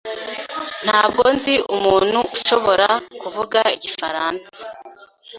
Ntabwo nzi umuntu ushobora kuvuga igifaransa.